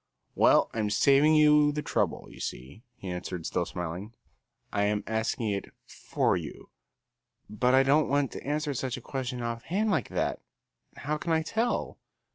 "Well, I'm saving you the trouble, you see," he answered, still smiling. "I am asking it for you." "But I don't want to answer such a question off hand like that; how can I tell?